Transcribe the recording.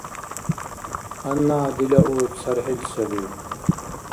Гьанна дила у цархӀил саби.